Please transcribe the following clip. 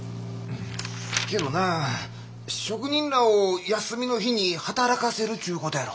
けどな職人らを休みの日に働かせるっちゅうことやろ？